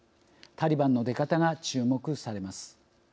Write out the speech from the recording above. タリバンの出方が注目されます。